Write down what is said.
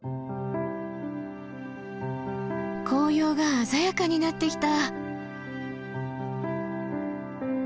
紅葉が鮮やかになってきた！